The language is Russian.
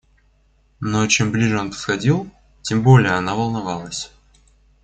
Но чем ближе он подходил, тем более она волновалась.